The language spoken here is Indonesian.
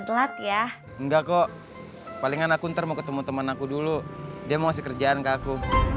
telat ya enggak kok palingan aku ntar mau ketemu teman aku dulu dia mau kerjaan kaku